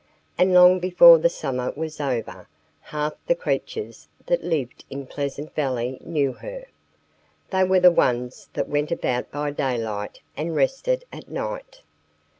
And long before the summer was over, half the creatures that lived in Pleasant Valley knew her. They were the ones that went about by daylight and rested at night.